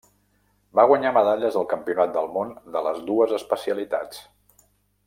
Va guanyar medalles als Campionats del món de les dues especialitats.